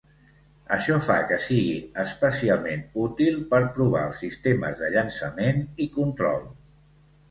Això fa que sigui especialment útil per provar els sistemes de llançament i control.